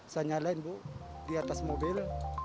saya nyalain bu di atas mobil